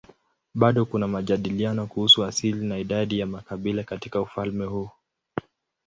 Bado kuna majadiliano kuhusu asili na idadi ya makabila katika ufalme huu.